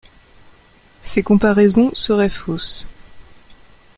Ces comparaisons seraient fausses.